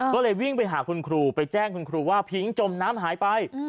ก็เลยวิ่งไปหาคุณครูไปแจ้งคุณครูว่าพิ้งจมน้ำหายไป